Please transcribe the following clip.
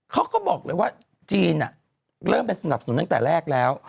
เขาก็บอกเลยว่าจีนเริ่มไปสนับสนุนตั้งแต่แรกแล้ว